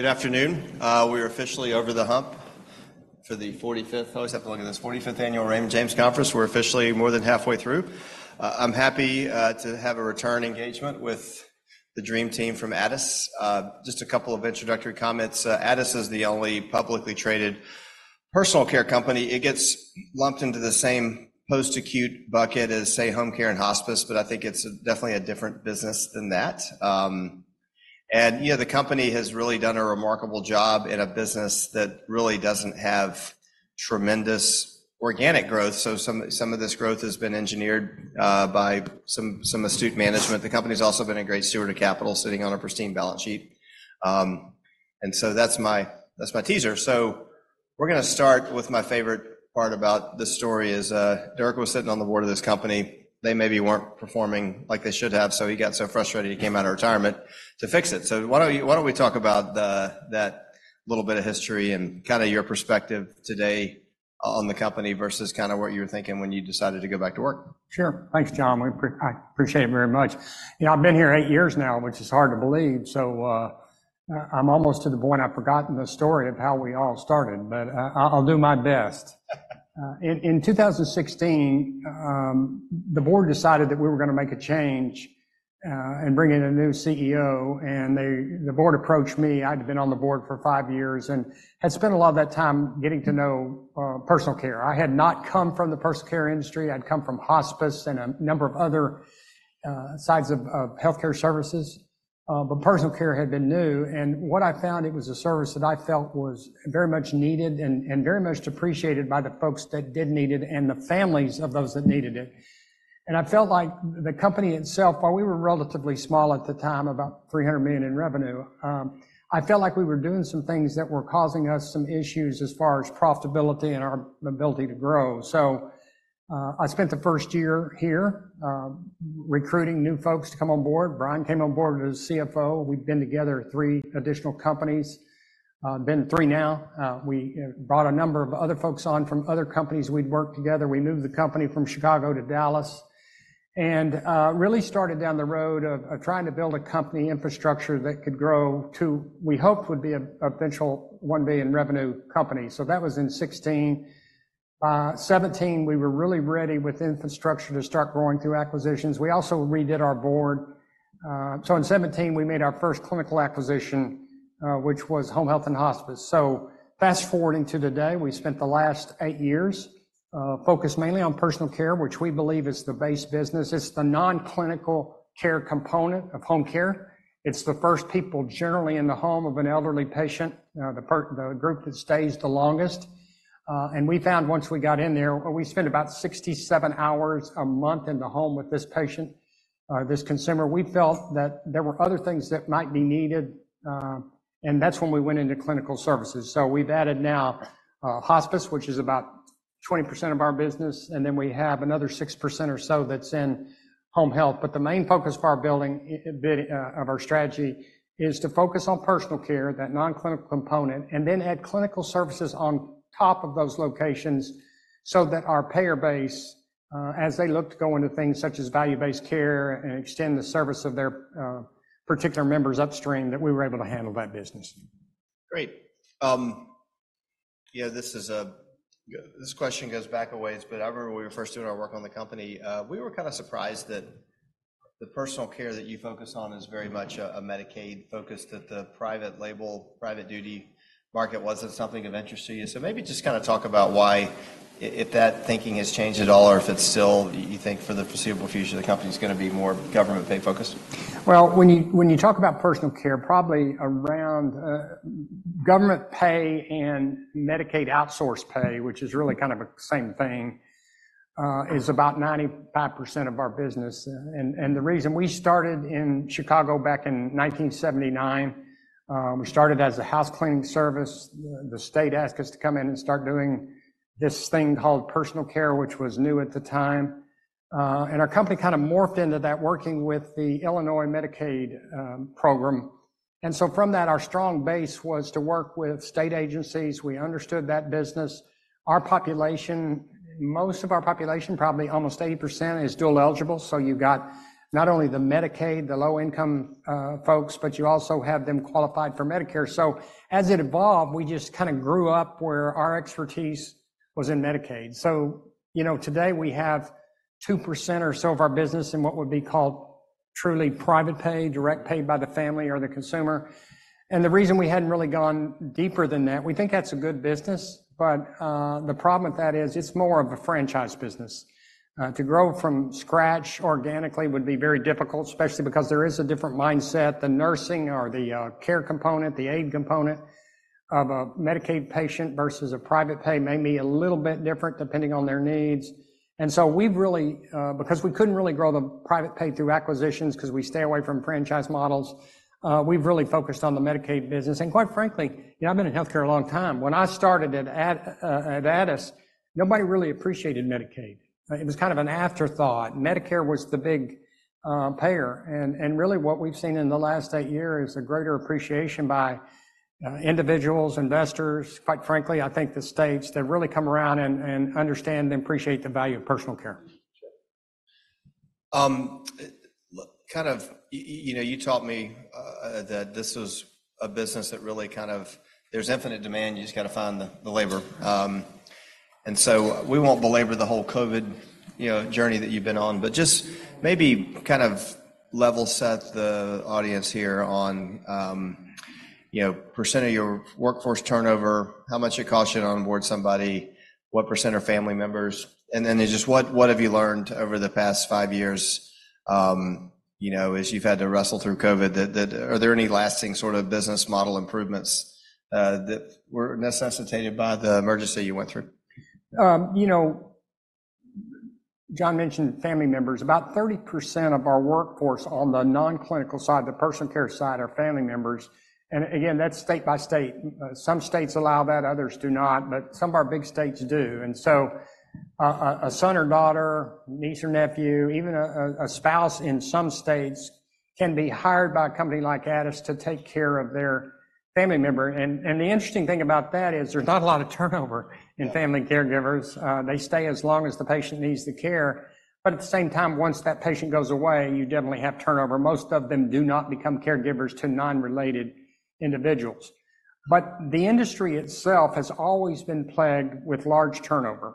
Good afternoon. We are officially over the hump for the 45th (I always have to look at this) 45th annual Raymond James Conference. We're officially more than halfway through. I'm happy to have a return engagement with the dream team from Addus. Just a couple of introductory comments. Addus is the only publicly traded personal care company. It gets lumped into the same post-acute bucket as, say, home care and hospice, but I think it's definitely a different business than that. And the company has really done a remarkable job in a business that really doesn't have tremendous organic growth. So some of this growth has been engineered by some astute management. The company's also been a great steward of capital sitting on a pristine balance sheet. And so that's my teaser. So, we're going to start with my favorite part about the story: Dirk was sitting on the board of this company. They maybe weren't performing like they should have, so he got so frustrated he came out of retirement to fix it. So, why don't we talk about that little bit of history and kind of your perspective today on the company versus kind of what you were thinking when you decided to go back to work? Sure. Thanks, John. I appreciate it very much. I've been here eight years now, which is hard to believe, so I'm almost to the point I've forgotten the story of how we all started, but I'll do my best. In 2016, the board decided that we were going to make a change and bring in a new CEO, and the board approached me. I'd been on the board for five years and had spent a lot of that time getting to know personal care. I had not come from the personal care industry. I'd come from hospice and a number of other sides of healthcare services, but personal care had been new. And what I found, it was a service that I felt was very much needed and very much appreciated by the folks that did need it and the families of those that needed it. I felt like the company itself, while we were relatively small at the time, about 300 million in revenue, I felt like we were doing some things that were causing us some issues as far as profitability and our ability to grow. So I spent the first year here recruiting new folks to come on board. Brian came on board as CFO. We've been together three additional companies. Been three now. We brought a number of other folks on from other companies we'd worked together. We moved the company from Chicago to Dallas and really started down the road of trying to build a company infrastructure that could grow to what we hoped would be a potential one billion in revenue company. So that was in 2016. 2017, we were really ready with infrastructure to start growing through acquisitions. We also redid our board. So in 2017, we made our first clinical acquisition, which was home health and hospice. So fast forwarding to today, we spent the last 8 years focused mainly on personal care, which we believe is the base business. It's the non-clinical care component of home care. It's the first people generally in the home of an elderly patient, the group that stays the longest. And we found once we got in there, we spent about 67 hours a month in the home with this patient, this consumer. We felt that there were other things that might be needed, and that's when we went into clinical services. So we've added now hospice, which is about 20% of our business, and then we have another 6% or so that's in home health. But the main focus for our building of our strategy is to focus on personal care, that non-clinical component, and then add clinical services on top of those locations so that our payer base, as they look to go into things such as value-based care and extend the service of their particular members upstream, that we were able to handle that business. Great. Yeah, this question goes back a ways, but I remember when we were first doing our work on the company, we were kind of surprised that the personal care that you focus on is very much a Medicaid focus that the private label, private duty market wasn't something of interest to you. So maybe just kind of talk about why if that thinking has changed at all or if it's still, you think, for the foreseeable future, the company's going to be more government pay focused? Well, when you talk about personal care, probably around government pay and Medicaid outsource pay, which is really kind of the same thing, is about 95% of our business. The reason we started in Chicago back in 1979, we started as a house cleaning service. The state asked us to come in and start doing this thing called personal care, which was new at the time. Our company kind of morphed into that working with the Illinois Medicaid program. So from that, our strong base was to work with state agencies. We understood that business. Our population, most of our population, probably almost 80%, is dual eligible. So you've got not only the Medicaid, the low-income folks, but you also have them qualified for Medicare. So as it evolved, we just kind of grew up where our expertise was in Medicaid. So today we have 2% or so of our business in what would be called truly private pay, direct pay by the family or the consumer. The reason we hadn't really gone deeper than that, we think that's a good business, but the problem with that is it's more of a franchise business. To grow from scratch organically would be very difficult, especially because there is a different mindset. The nursing or the care component, the aid component of a Medicaid patient versus a private pay may be a little bit different depending on their needs. We've really, because we couldn't really grow the private pay through acquisitions because we stay away from franchise models, we've really focused on the Medicaid business. Quite frankly, I've been in healthcare a long time. When I started at Addus, nobody really appreciated Medicaid. It was kind of an afterthought. Medicare was the big payer. And really what we've seen in the last eight years is a greater appreciation by individuals, investors. Quite frankly, I think the states, they've really come around and understand and appreciate the value of personal care. Kind of, you taught me that this was a business that really kind of there's infinite demand. You just got to find the labor. So we won't belabor the whole COVID journey that you've been on, but just maybe kind of level set the audience here on percent of your workforce turnover, how much it cost you to onboard somebody, what percent are family members, and then just what have you learned over the past five years as you've had to wrestle through COVID. Are there any lasting sort of business model improvements that were necessitated by the emergency you went through? John mentioned family members. About 30% of our workforce on the non-clinical side, the personal care side, are family members. And again, that's state by state. Some states allow that. Others do not. But some of our big states do. And so a son or daughter, niece or nephew, even a spouse in some states can be hired by a company like Addus to take care of their family member. And the interesting thing about that is there's not a lot of turnover in family caregivers. They stay as long as the patient needs the care. But at the same time, once that patient goes away, you definitely have turnover. Most of them do not become caregivers to non-related individuals. But the industry itself has always been plagued with large turnover.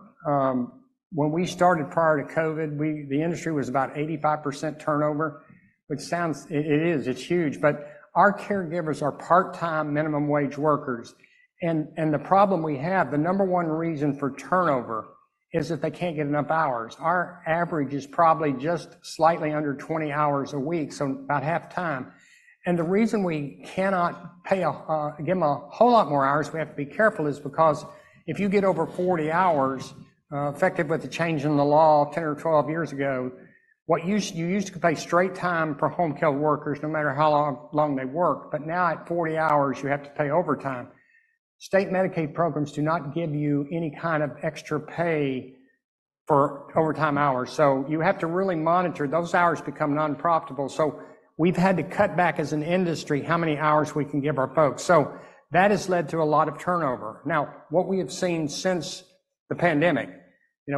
When we started prior to COVID, the industry was about 85% turnover, which sounds it is. It's huge. But our caregivers are part-time minimum wage workers. The problem we have, the number one reason for turnover, is that they can't get enough hours. Our average is probably just slightly under 20 hours a week, so about half time. The reason we cannot pay give them a whole lot more hours, we have to be careful, is because if you get over 40 hours, effective with the change in the law 10 or 12 years ago, you used to pay straight time for home care workers no matter how long they worked. But now at 40 hours, you have to pay overtime. State Medicaid programs do not give you any kind of extra pay for overtime hours. So you have to really monitor. Those hours become non-profitable. We've had to cut back as an industry how many hours we can give our folks. So that has led to a lot of turnover. Now, what we have seen since the pandemic,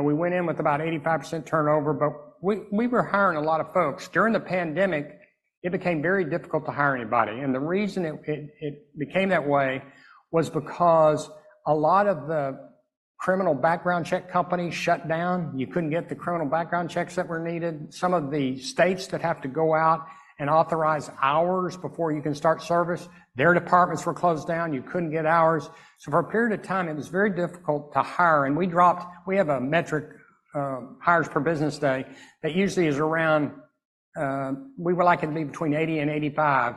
we went in with about 85% turnover, but we were hiring a lot of folks. During the pandemic, it became very difficult to hire anybody. And the reason it became that way was because a lot of the criminal background check companies shut down. You couldn't get the criminal background checks that were needed. Some of the states that have to go out and authorize hours before you can start service, their departments were closed down. You couldn't get hours. So for a period of time, it was very difficult to hire. And we have a metric, hires per business day, that usually is around we would like it to be between 80 and 85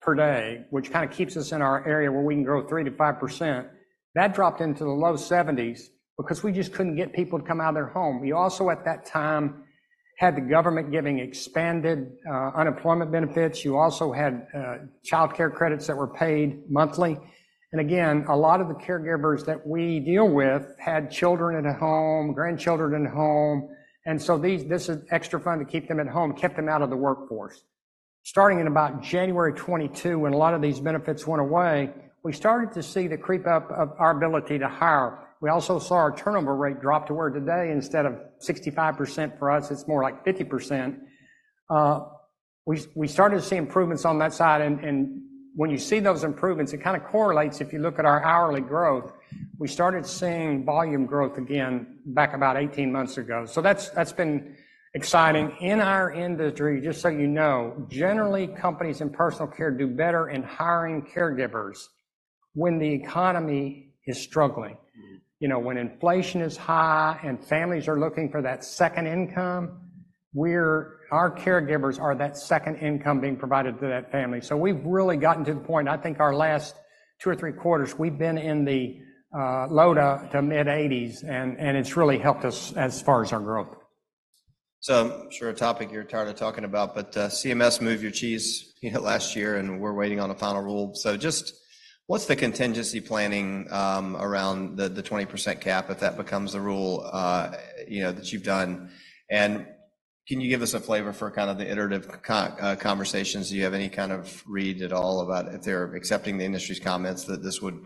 per day, which kind of keeps us in our area where we can grow 3%-5%. That dropped into the low 70s because we just couldn't get people to come out of their home. You also, at that time, had the government giving expanded unemployment benefits. You also had childcare credits that were paid monthly. And again, a lot of the caregivers that we deal with had children at home, grandchildren at home. And so this extra fund to keep them at home kept them out of the workforce. Starting in about January 2022, when a lot of these benefits went away, we started to see the creep up of our ability to hire. We also saw our turnover rate drop to where today, instead of 65% for us, it's more like 50%. We started to see improvements on that side. And when you see those improvements, it kind of correlates if you look at our hourly growth. We started seeing volume growth again back about 18 months ago. So that's been exciting. In our industry, just so you know, generally, companies in personal care do better in hiring caregivers when the economy is struggling. When inflation is high and families are looking for that second income, our caregivers are that second income being provided to that family. So we've really gotten to the point, I think our last two or three quarters, we've been in the low to mid 80s, and it's really helped us as far as our growth. So I'm sure a topic you're tired of talking about, but CMS moved your cheese last year, and we're waiting on a final rule. So just what's the contingency planning around the 20% cap if that becomes the rule that you've done? And can you give us a flavor for kind of the iterative conversations? Do you have any kind of read at all about if they're accepting the industry's comments that this would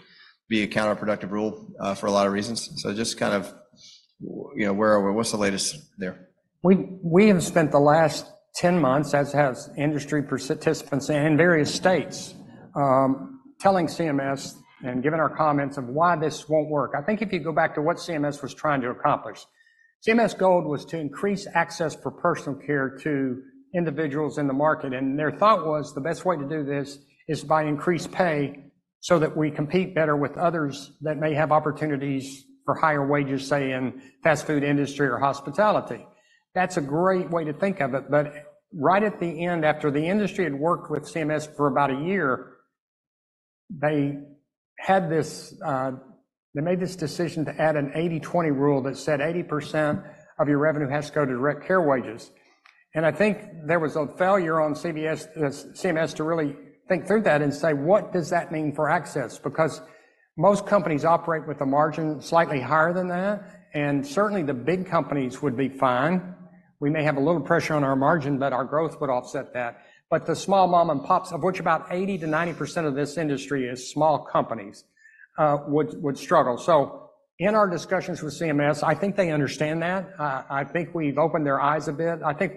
be a counterproductive rule for a lot of reasons? So just kind of where are we? What's the latest there? We have spent the last 10 months, as have industry participants in various states, telling CMS and giving our comments of why this won't work. I think if you go back to what CMS was trying to accomplish, CMS goal was to increase access for personal care to individuals in the market. And their thought was the best way to do this is by increased pay so that we compete better with others that may have opportunities for higher wages, say in the fast food industry or hospitality. That's a great way to think of it. But right at the end, after the industry had worked with CMS for about a year, they made this decision to add an 80/20 rule that said 80% of your revenue has to go to direct care wages. I think there was a failure on CMS to really think through that and say, what does that mean for access? Because most companies operate with a margin slightly higher than that. And certainly, the big companies would be fine. We may have a little pressure on our margin, but our growth would offset that. But the small mom-and-pops, of which about 80%-90% of this industry is small companies, would struggle. So in our discussions with CMS, I think they understand that. I think we've opened their eyes a bit. I think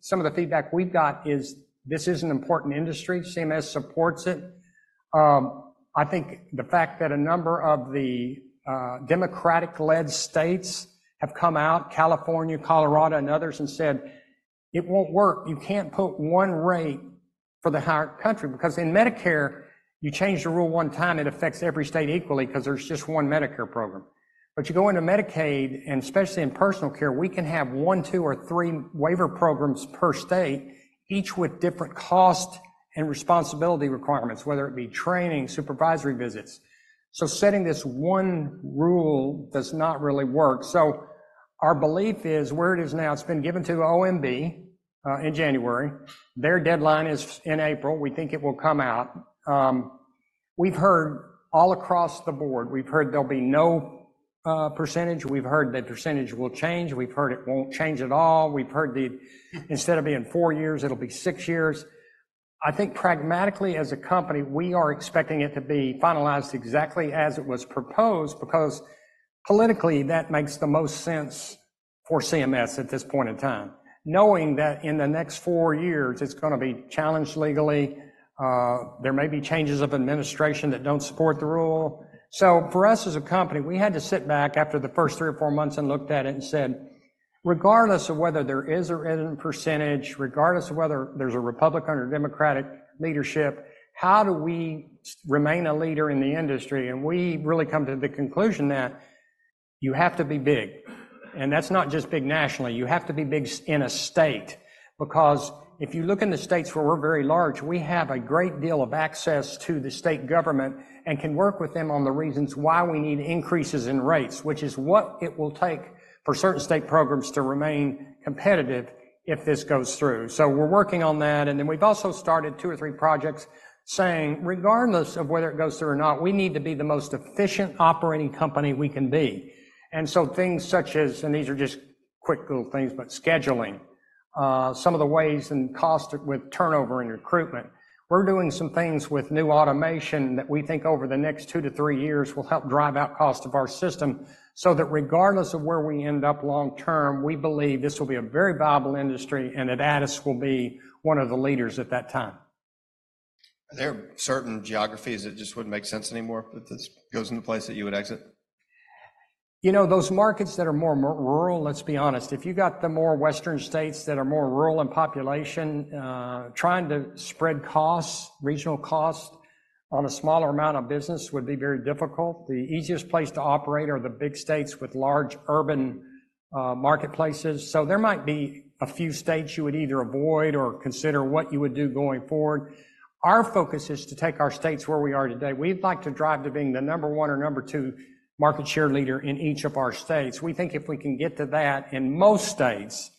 some of the feedback we've got is this is an important industry. CMS supports it. I think the fact that a number of the Democratic-led states have come out, California, Colorado, and others, and said, "It won't work. You can't put one rate for the entire country because in Medicare, you change the rule one time. It affects every state equally because there's just one Medicare program. But you go into Medicaid, and especially in personal care, we can have one, two, or three waiver programs per state, each with different cost and responsibility requirements, whether it be training, supervisory visits. So setting this one rule does not really work. So our belief is where it is now, it's been given to OMB in January. Their deadline is in April. We think it will come out. We've heard all across the board. We've heard there'll be no percentage. We've heard the percentage will change. We've heard it won't change at all. We've heard instead of being four years, it'll be six years. I think pragmatically, as a company, we are expecting it to be finalized exactly as it was proposed because politically, that makes the most sense for CMS at this point in time, knowing that in the next four years, it's going to be challenged legally. There may be changes of administration that don't support the rule. So for us as a company, we had to sit back after the first three or four months and looked at it and said, regardless of whether there is or isn't a percentage, regardless of whether there's a Republican or Democratic leadership, how do we remain a leader in the industry? And we really come to the conclusion that you have to be big. And that's not just big nationally. You have to be big in a state because if you look in the states where we're very large, we have a great deal of access to the state government and can work with them on the reasons why we need increases in rates, which is what it will take for certain state programs to remain competitive if this goes through. So we're working on that. And then we've also started two or three projects saying, regardless of whether it goes through or not, we need to be the most efficient operating company we can be. And so things such as, and these are just quick little things, but scheduling, some of the ways and cost with turnover and recruitment, we're doing some things with new automation that we think over the next two-three years will help drive out cost of our system so that regardless of where we end up long term, we believe this will be a very viable industry and that Addus will be one of the leaders at that time. Are there certain geographies that just wouldn't make sense anymore if this goes into place that you would exit? Those markets that are more rural, let's be honest, if you got the more western states that are more rural in population, trying to spread regional costs on a smaller amount of business would be very difficult. The easiest place to operate are the big states with large urban marketplaces. So there might be a few states you would either avoid or consider what you would do going forward. Our focus is to take our states where we are today. We'd like to drive to being the number one or number two market share leader in each of our states. We think if we can get to that in most states,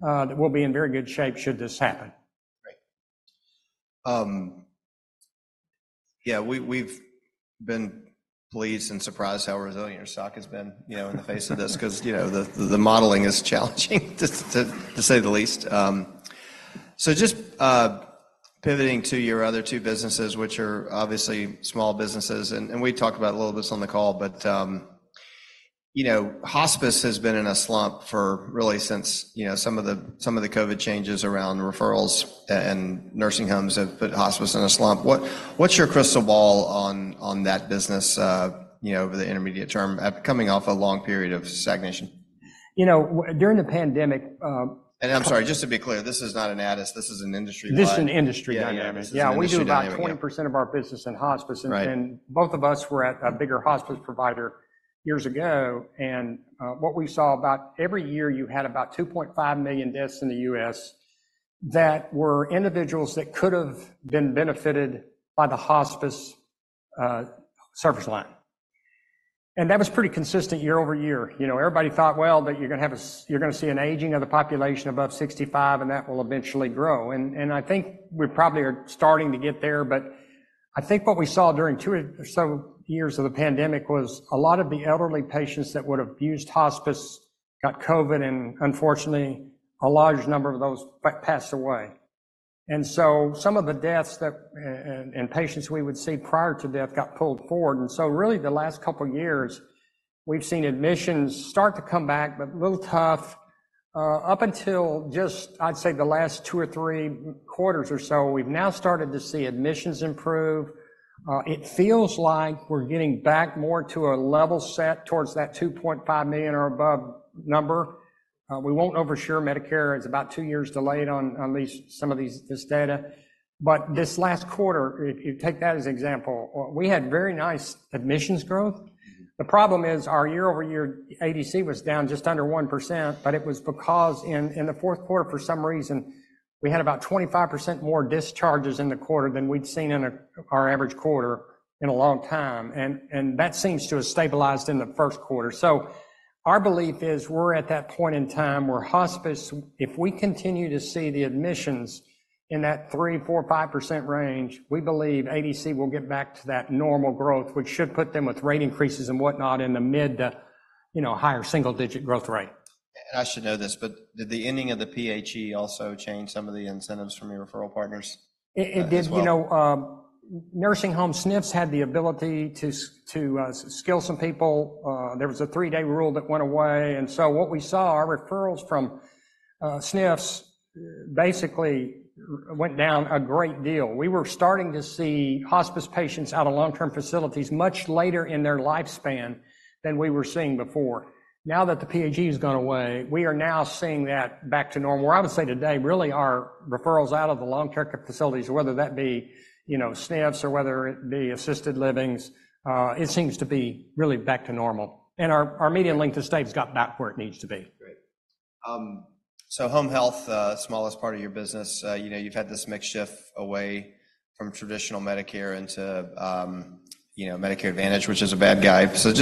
we'll be in very good shape should this happen. Great. Yeah, we've been pleased and surprised how resilient your stock has been in the face of this because the modeling is challenging, to say the least. So just pivoting to your other two businesses, which are obviously small businesses, and we talked about a little bit on the call, but hospice has been in a slump really since some of the COVID changes around referrals and nursing homes have put hospice in a slump. What's your crystal ball on that business over the intermediate term, coming off a long period of stagnation? During the pandemic. I'm sorry, just to be clear, this is not an Addus. This is an industry dynamic. This is an industry dynamic. Yeah, we do about 20% of our business in hospice. And both of us were at a bigger hospice provider years ago. And what we saw about every year, you had about 2.5 million deaths in the U.S. that were individuals that could have been benefited by the hospice service line. And that was pretty consistent year-over-year. Everybody thought, well, that you're going to have a you're going to see an aging of the population above 65, and that will eventually grow. And I think we probably are starting to get there. But I think what we saw during two or so years of the pandemic was a lot of the elderly patients that would have used hospice got COVID, and unfortunately, a large number of those passed away. And so some of the deaths and patients we would see prior to death got pulled forward. And so really, the last couple of years, we've seen admissions start to come back, but a little tough. Up until just, I'd say, the last two or three quarters or so, we've now started to see admissions improve. It feels like we're getting back more to a level set towards that 2.5 million or above number. We won't oversure Medicare. It's about two years delayed on at least some of this data. But this last quarter, if you take that as an example, we had very nice admissions growth. The problem is our year-over-year ADC was down just under 1%, but it was because in the fourth quarter, for some reason, we had about 25% more discharges in the quarter than we'd seen in our average quarter in a long time. That seems to have stabilized in the first quarter. Our belief is we're at that point in time where hospice, if we continue to see the admissions in that 3%-5% range, we believe ADC will get back to that normal growth, which should put them with rate increases and whatnot in the mid- to higher single-digit growth rate. I should know this, but did the ending of the PHE also change some of the incentives from your referral partners? It did. Nursing home SNFs had the ability to skill some people. There was a three-day rule that went away. And so what we saw, our referrals from SNFs basically went down a great deal. We were starting to see hospice patients out of long-term facilities much later in their lifespan than we were seeing before. Now that the PHE has gone away, we are now seeing that back to normal. I would say today, really, our referrals out of the long-term facilities, whether that be SNFs or whether it be assisted livings, it seems to be really back to normal. And our median length of stay has got back where it needs to be. Great. So home health, smallest part of your business. You've had this mix shift away from traditional Medicare into Medicare Advantage, which is a bad guy. So I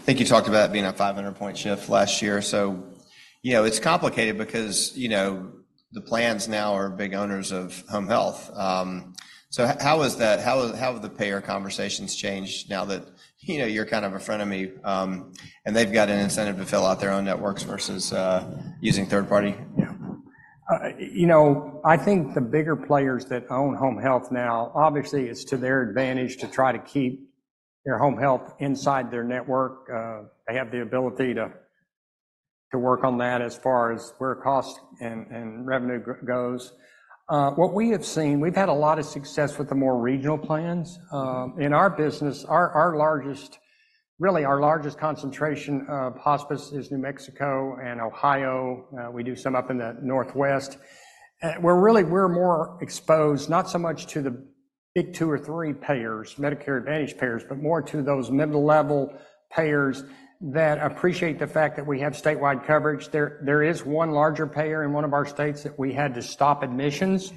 think you talked about it being a 500-point shift last year. So it's complicated because the plans now are big owners of home health. So how have the payer conversations changed now that you're kind of a frenemy and they've got an incentive to fill out their own networks versus using third-party? Yeah. I think the bigger players that own home health now, obviously, it's to their advantage to try to keep their home health inside their network. They have the ability to work on that as far as where cost and revenue goes. What we have seen, we've had a lot of success with the more regional plans. In our business, really, our largest concentration of hospice is New Mexico and Ohio. We do some up in the northwest. We're more exposed, not so much to the big two or three payers, Medicare Advantage payers, but more to those middle-level payers that appreciate the fact that we have statewide coverage. There is one larger payer in one of our states that we had to stop admissions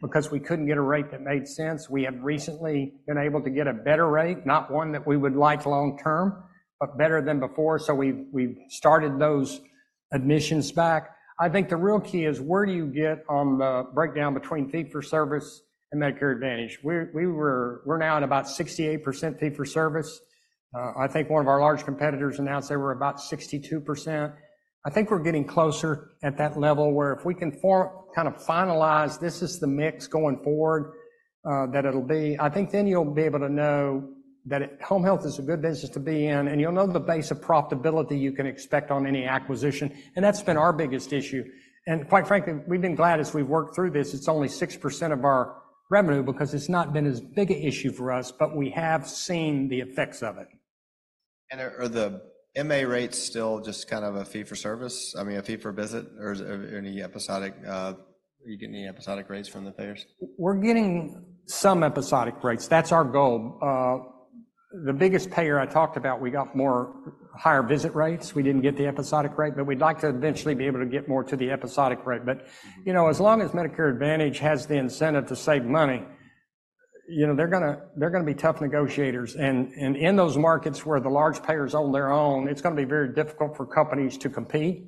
because we couldn't get a rate that made sense. We have recently been able to get a better rate, not one that we would like long-term, but better than before. We've started those admissions back. I think the real key is where do you get on the breakdown between fee-for-service and Medicare Advantage? We're now at about 68% fee-for-service. I think one of our large competitors announced they were about 62%. I think we're getting closer at that level where if we can kind of finalize, this is the mix going forward that it'll be, I think then you'll be able to know that home health is a good business to be in, and you'll know the base of profitability you can expect on any acquisition. That's been our biggest issue. Quite frankly, we've been glad as we've worked through this. It's only 6% of our revenue because it's not been as big an issue for us, but we have seen the effects of it. Are the MA rates still just kind of a fee-for-service? I mean, a fee for a visit or any episodic? Are you getting any episodic rates from the payers? We're getting some episodic rates. That's our goal. The biggest payer I talked about, we got more higher visit rates. We didn't get the episodic rate, but we'd like to eventually be able to get more to the episodic rate. But as long as Medicare Advantage has the incentive to save money, they're going to be tough negotiators. And in those markets where the large payers own their own, it's going to be very difficult for companies to compete.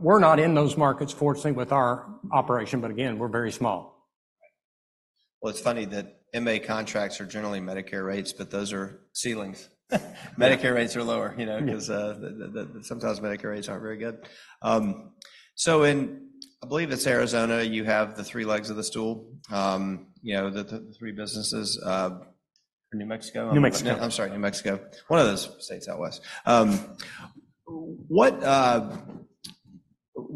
We're not in those markets, fortunately, with our operation, but again, we're very small. Well, it's funny that MA contracts are generally Medicare rates, but those are ceilings. Medicare rates are lower because sometimes Medicare rates aren't very good. So I believe it's Arizona. You have the three legs of the stool, the three businesses. New Mexico? New Mexico. I'm sorry, New Mexico. One of those states out west.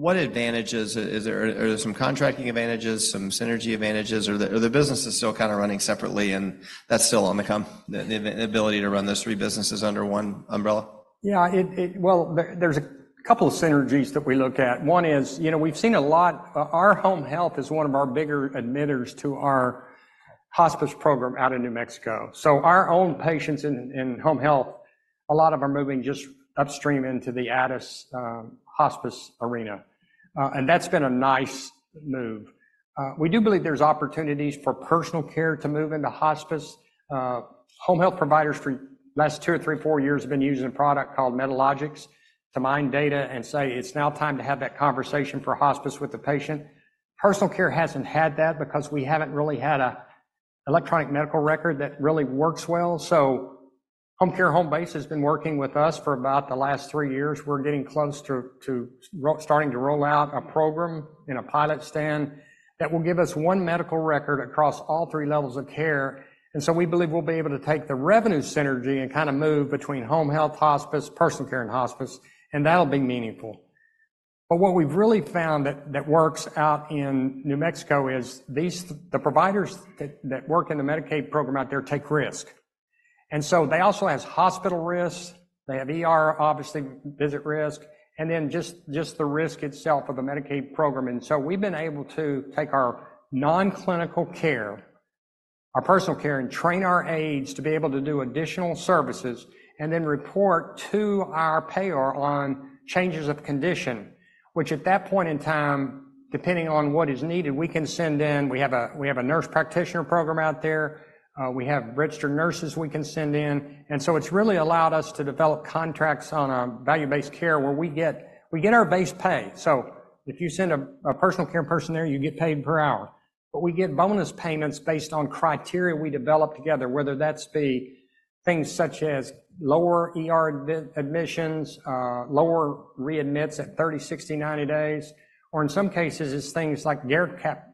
What advantages? Are there some contracting advantages, some synergy advantages, or are the businesses still kind of running separately and that's still on the come, the ability to run those three businesses under one umbrella? Yeah. Well, there's a couple of synergies that we look at. One is we've seen a lot, our home health is one of our bigger admitters to our hospice program out in New Mexico. So our own patients in home health, a lot of them are moving just upstream into the Addus hospice arena. And that's been a nice move. We do believe there's opportunities for personal care to move into hospice. Home health providers for the last two or three, four years have been using a product called Medalogix to mine data and say it's now time to have that conversation for hospice with the patient. Personal care hasn't had that because we haven't really had an electronic medical record that really works well. So Homecare Homebase has been working with us for about the last three years. We're getting close to starting to roll out a program in a pilot stand that will give us one medical record across all three levels of care. So we believe we'll be able to take the revenue synergy and kind of move between home health, hospice, personal care, and hospice, and that'll be meaningful. But what we've really found that works out in New Mexico is the providers that work in the Medicaid program out there take risk. So they also have hospital risks. They have obviously, visit risk, and then just the risk itself of the Medicaid program. And so we've been able to take our non-clinical care, our personal care, and train our aides to be able to do additional services and then report to our payer on changes of condition, which at that point in time, depending on what is needed, we can send in. We have a nurse practitioner program out there. We have registered nurses we can send in. And so it's really allowed us to develop contracts on a value-based care where we get our base pay. So if you send a personal care person there, you get paid per hour. But we get bonus payments based on criteria we develop together, whether that's be things such as lower admissions, lower readmits at 30, 60, 90 days, or in some cases, it's things like care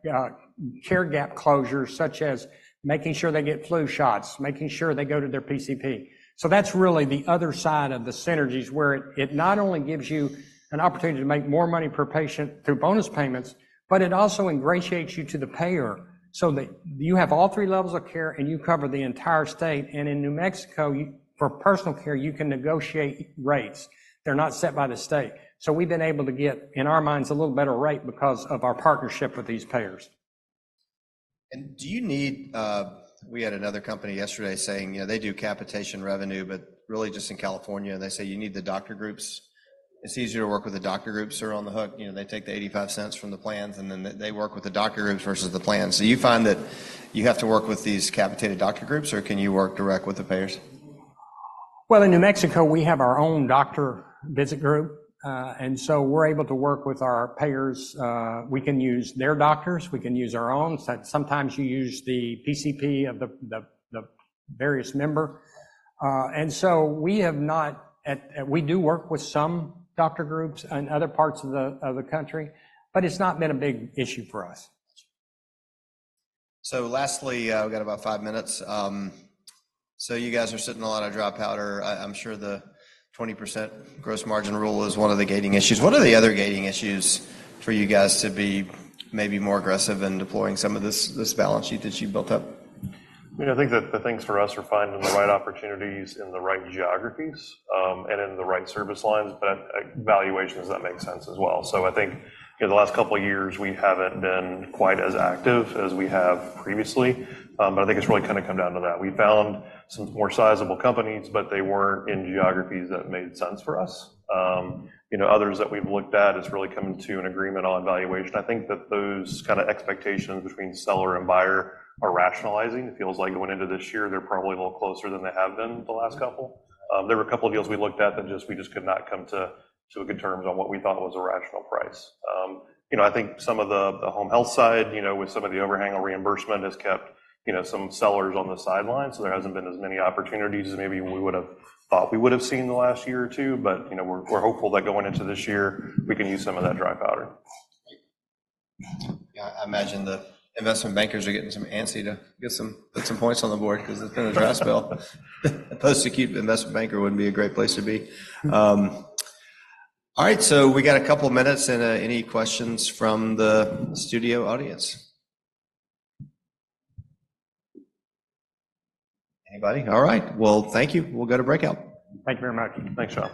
gap closures, such as making sure they get flu shots, making sure they go to their PCP. So that's really the other side of the synergies where it not only gives you an opportunity to make more money per patient through bonus payments, but it also ingratiates you to the payer so that you have all three levels of care and you cover the entire state. And in New Mexico, for personal care, you can negotiate rates. They're not set by the state. So we've been able to get, in our minds, a little better rate because of our partnership with these payers. And do you need we had another company yesterday saying they do capitation revenue, but really just in California, and they say you need the doctor groups. It's easier to work with the doctor groups who are on the hook. They take the $0.85 from the plans, and then they work with the doctor groups versus the plans. Do you find that you have to work with these capitated doctor groups, or can you work direct with the payers? Well, in New Mexico, we have our own doctor visit group. And so we're able to work with our payers. We can use their doctors. We can use our own. Sometimes you use the PCP of the various member. And so we have not. We do work with some doctor groups in other parts of the country, but it's not been a big issue for us. So lastly, we've got about five minutes. You guys are sitting a lot on dry powder. I'm sure the 20% gross margin rule is one of the gating issues. What are the other gating issues for you guys to be maybe more aggressive in deploying some of this balance sheet that you built up? I think that the things for us are finding the right opportunities in the right geographies and in the right service lines, but valuations, if that makes sense, as well. So I think the last couple of years, we haven't been quite as active as we have previously. But I think it's really kind of come down to that. We found some more sizable companies, but they weren't in geographies that made sense for us. Others that we've looked at, it's really come to an agreement on valuation. I think that those kind of expectations between seller and buyer are rationalizing. It feels like going into this year, they're probably a little closer than they have been the last couple. There were a couple of deals we looked at that we just could not come to good terms on what we thought was a rational price. I think some of the home health side, with some of the overhang on reimbursement, has kept some sellers on the sidelines. So there hasn't been as many opportunities as maybe we would have thought we would have seen the last year or two. But we're hopeful that going into this year, we can use some of that dry powder. Yeah. I imagine the investment bankers are getting some answer to get some points on the board because it's been a draft bill. A post-acute investment banker wouldn't be a great place to be. All right. So we got a couple of minutes. Any questions from the studio audience? Anybody? All right. Well, thank you. We'll go to breakout. Thank you very much. Thanks, John.